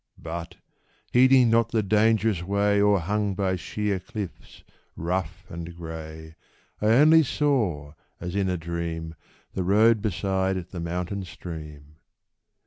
But, heeding not the dangerous way O'erhung by sheer cliffs, rough and gray, I only saw, as in a dream. The road beside the mountain stream.